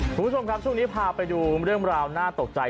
คุณผู้ชมครับช่วงนี้พาไปดูเรื่องราวน่าตกใจ